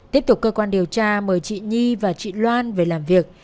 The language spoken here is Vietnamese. tiếp tục cơ quan điều tra mời chị nhi và chị loan về làm việc